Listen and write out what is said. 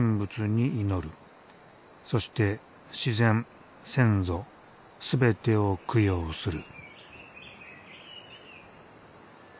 そして自然先祖全てを供養する。